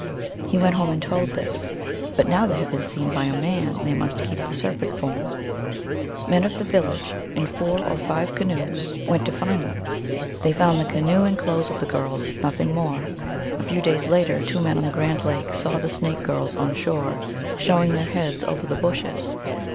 He went home and told this. (But now they had been seen by a man they must keep the serpent form.) Men of the village, in four or five canoes, AT O SIS, THE SERPENT. 269 went to find them. They found the canoe and clothes of the girls ; nothing more. A few days after, two men on Grand Lake saw the snake girls on shore, showing their heads over the bushes.